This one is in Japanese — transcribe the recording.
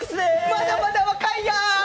まだまだ若いよ！